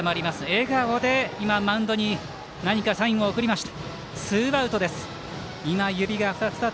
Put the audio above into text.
笑顔でマウンドに何かサインを送りました。